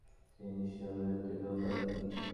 নিশ্চিত অভয়চরণ রক্ষিত এদের উপাধি।